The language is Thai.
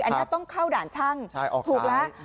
อันนี้ต้องเข้าด่านช่างถูกแล้ว